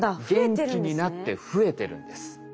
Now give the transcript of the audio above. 元気になって増えてるんです。